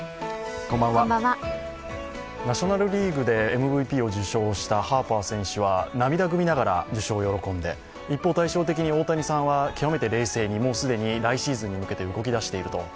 ナ・リーグでＭＶＰを受賞したハーパー選手は涙ぐみながら受賞を喜んで一方、対照的に大谷さんは極めて冷静的に、既に来シーズンに向けて動き出していると。